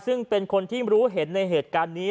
ซึ่งเป็นคนที่รู้เห็นในเหตุการณ์นี้